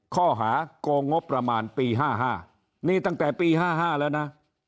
โกงงบประมาณปี๕๕นี่ตั้งแต่ปี๕๕แล้วนะ